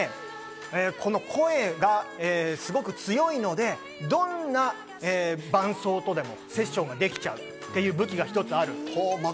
これ声がすごく強いのでどんな伴奏とでもセッションができちゃうという武器が一つある。